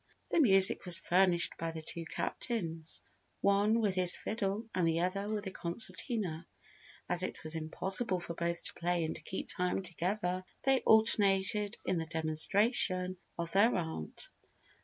The music was furnished by the two captains, one with his fiddle and the other with a concertina. As it was impossible for both to play and keep time together, they alternated in the demonstration of their art.